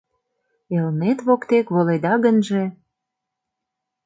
Элнет воктек воледа гынже